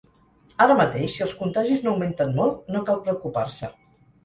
Ara mateix si els contagis no augmenten molt, no cal preocupar-se.